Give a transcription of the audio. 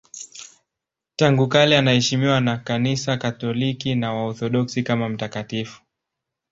Tangu kale anaheshimiwa na Kanisa Katoliki na Waorthodoksi kama mtakatifu.